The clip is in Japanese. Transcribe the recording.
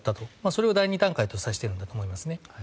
それを第２段階とさしているんだと思いますね。